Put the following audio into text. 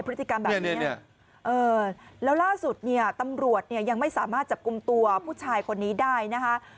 พฤติกรรมแบบนี้แล้วล่าสุดเนี่ยตำรวจเนี่ยยังไม่สามารถจับกลุ่มตัวผู้ชายคนนี้ได้นะคะ